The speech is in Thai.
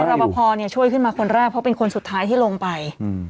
รอปภช่วยขึ้นมาคนแรกเพราะเป็นคนสุดท้ายที่ลงไป